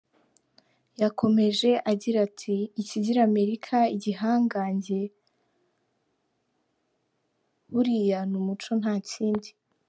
Yakomeje agira ati” Ikigira Amerika igihange buriya ni Umuco nta Kindi.